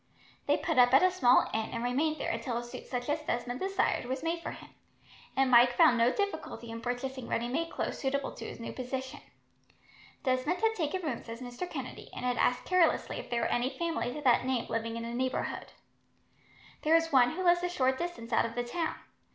They put up at a small inn, and remained there until a suit such as Desmond desired was made for him, and Mike found no difficulty in purchasing ready made clothes suitable to his new position. Desmond had taken rooms as Mr. Kennedy, and had asked carelessly if there were any families of that name living in the neighbourhood. "There is one who lives a short distance out of the town.